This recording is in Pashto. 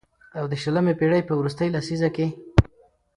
او د شلمې پېړۍ په وروستۍ لسيزه کې